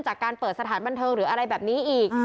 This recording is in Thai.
จากการเปิดสถานบันเทิงหรืออะไรแบบนี้อีก